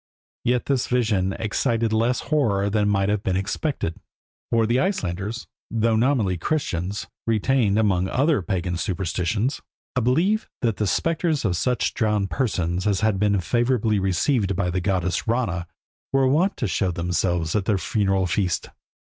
Yet this vision excited less horror than might have been expected, for the Icelanders, though nominally Christians, retained, among other pagan superstitions, a belief that the spectres of such drowned persons as had been favourably received by the goddess Rana were wont to show themselves at their funeral feast.